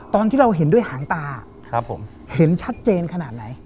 ตอนที่เราเห็นด้วยหางตาครับผมเห็นชัดเจนขนาดไหน